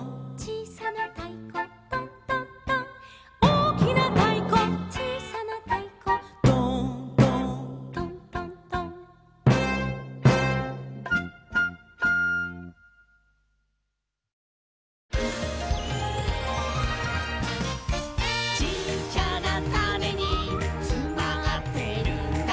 「おおきなたいこちいさなたいこ」「ドーンドーントントントン」「ちっちゃなタネにつまってるんだ」